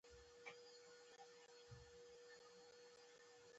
دی به له تربورانو سره په جنجال واړوي.